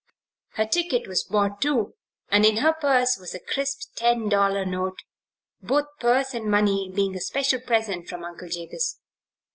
Her ticket was bought, too, and in her purse was a crisp ten dollar note both purse and money being a special present from Uncle Jabez.